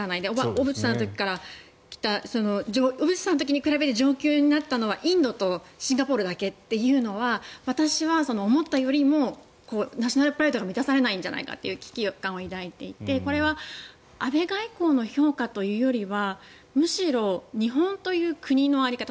小渕さんの時から来た小渕さんの時と比べて上級になったのはインドとシンガポールだけというのは私は思ったよりもナショナルプライドが満たされないんじゃないかという危機感を抱いていてこれは安倍外交の評価というよりはむしろ、日本という国の在り方